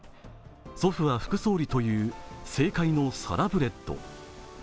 祖父は副総理という政界のサラブレッド。